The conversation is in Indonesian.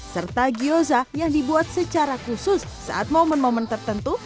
serta gyoza yang dibuat secara khusus saat momen momen tertentu